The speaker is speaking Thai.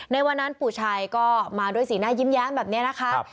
ในวันนั้นปู่ชัยก็มาด้วยสีหน้ายิ้มแย้มแบบนี้นะคะ